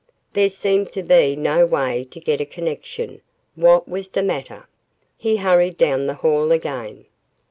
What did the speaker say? There seemed to be no way to get a connection. What was the matter? He hurried down the hall again.